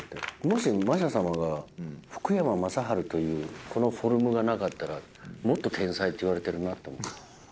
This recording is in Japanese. もしましゃさまが福山雅治というこのフォルムがなかったらもっと天才っていわれてるなと。